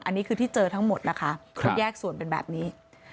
อันนี้คือที่เจอทั้งหมดนะคะแยกส่วนเป็นแบบนี้